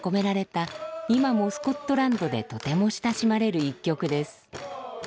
今もスコットランドでとても親しまれる一曲です。